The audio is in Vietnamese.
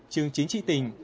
trường chính trị tỉnh